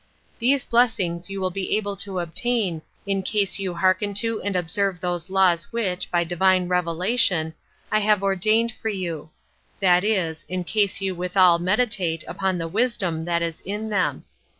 These blessings you will be able to obtain, in case you hearken to and observe those laws which, by Divine revelation, I have ordained for you; that is, in case you withal meditate upon the wisdom that is in them.